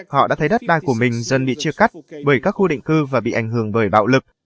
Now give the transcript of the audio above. họ đã thấy đất đai của mình dân bị chia cắt bởi các khu định cư và bị ảnh hưởng bởi bạo lực